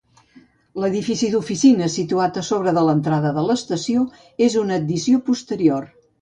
L'edifici d'oficines situat a sobre de l'entrada de l'estació és una addició posterior.